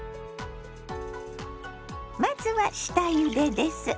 まずは下ゆでです。